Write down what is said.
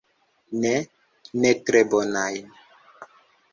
Ne, ne tre bonajn.